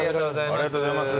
ありがとうございます。